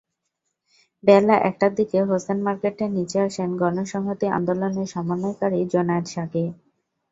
বেলা একটার দিকে হোসেন মার্কেটের নিচে আসেন গণসংহতি আন্দোলনের সমন্বয়কারী জোনায়েদ সাকি।